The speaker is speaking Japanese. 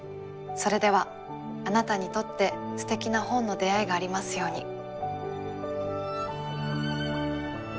それではあなたにとってすてきな本の出会いがありますように。